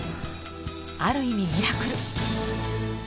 ある意味ミラクル！